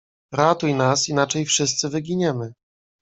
"Ratuj nas, inaczej wszyscy wyginiemy!"